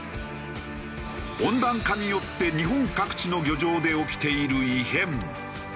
温暖化によって日本各地の漁場で起きている異変。